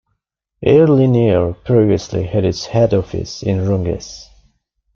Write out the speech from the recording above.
Airlinair previously had its head office in Rungis.